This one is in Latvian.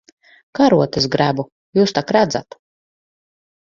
Karotes grebu. Jūs tak redzat.